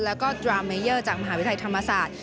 แล้วก็ดรามเมเยอร์จากมหาวิทยาลัยธรรมศาสตร์